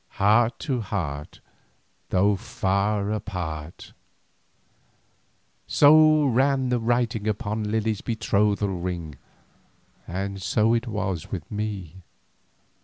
Heart to heart, Though far apart, so ran the writing upon Lily's betrothal ring, and so it was with me.